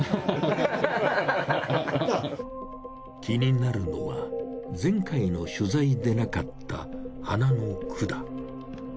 気になるのは前回の取材でなかった鼻の管。